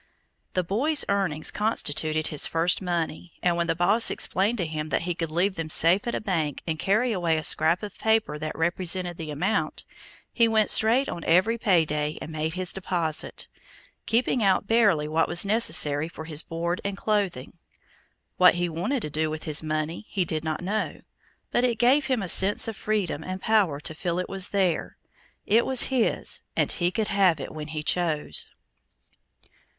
The boy's earnings constituted his first money; and when the Boss explained to him that he could leave them safe at a bank and carry away a scrap of paper that represented the amount, he went straight on every payday and made his deposit, keeping out barely what was necessary for his board and clothing. What he wanted to do with his money he did not know, but it gave to him a sense of freedom and power to feel that it was there it was his and he could have it when he chose.